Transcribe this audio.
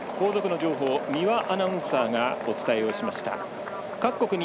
後続の情報、三輪アナウンサーがお伝えをしました。